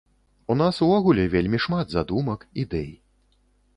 У нас увогуле вельмі шмат задумак, ідэй.